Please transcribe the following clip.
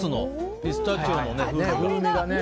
ピスタチオの風味が。